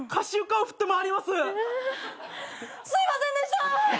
すいませんでした！